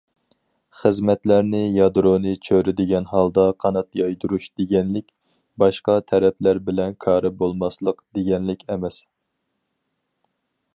خىزمەتلەرنى يادرونى چۆرىدىگەن ھالدا قانات يايدۇرۇش دېگەنلىك، باشقا تەرەپلەر بىلەن كارى بولماسلىق دېگەنلىك ئەمەس.